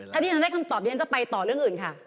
ถ้าที่ฉันได้คำตอบดิฉันจะไปต่อเรื่องอื่นค่ะ